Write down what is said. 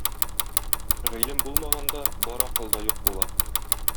Гыйлем булмаганда, бар акыл да юк була.